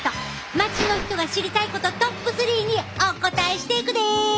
街の人が知りたいことトップスリーにお答えしていくで！